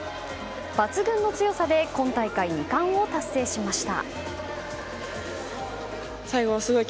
抜群の強さで今大会２冠を達成しました。